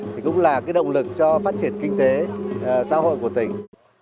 thì cũng là cái động lực cho phát triển kinh tế xã hội của tỉnh